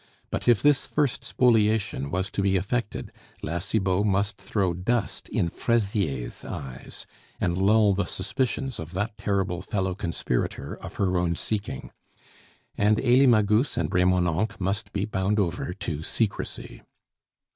But if this first spoliation was to be effected, La Cibot must throw dust in Fraisier's eyes, and lull the suspicions of that terrible fellow conspirator of her own seeking; and Elie Magus and Remonencq must be bound over to secrecy.